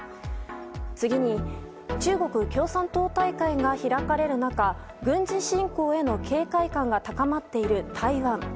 次に、中国共産党大会が開かれる中軍事侵攻への警戒感が高まっている台湾。